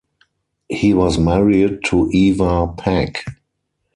He was married to Ewa Pac.